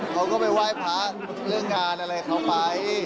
เขาก็ไปไหว้พระเรื่องงานอะไรเขาไป